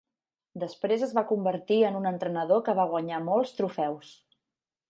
Després es va convertir en un entrenador que va guanyar molts trofeus.